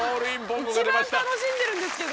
一番楽しんでるんですけど。